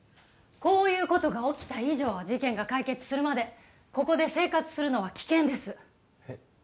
こういうことが起きた以上事件が解決するまでここで生活するのは危険ですえっ？